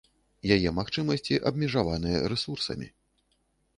Яе магчымасці абмежаваныя рэсурсамі.